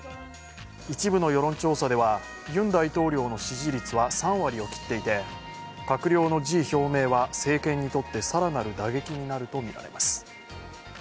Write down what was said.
一部の世論調査では、ユン大統領の支持率は３割を切っていて閣僚の辞意表明は政権にとって更なる打撃になるとみられます。